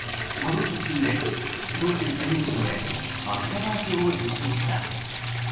この作品で当時最年少で芥川賞を受賞した。